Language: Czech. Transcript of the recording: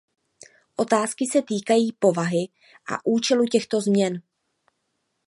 Otázky se týkají povahy a účelu těchto změn.